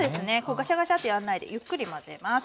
ガシャガシャッてやんないでゆっくり混ぜます。